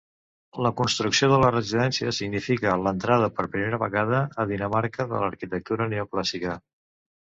La construcció de la residència significà l'entrada, per primera vegada, a Dinamarca de l'arquitectura neoclàssica.